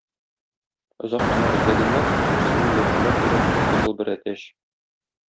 Озак кына эзләгәннән соң, берсенең йортында күрә кып-кызыл бер әтәч.